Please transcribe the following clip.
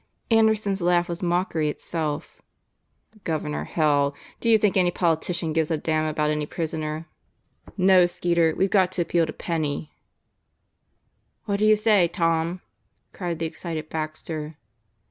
Anderson's laugh was mockery itself. "The Governor, hell! Do you think any politician gives a damn about any prisoner? No, 126 God Goes to Murderer's Row Skeeter, we've got to appeal to Penney." "What do you say, Tom?" cried the excited Baxter.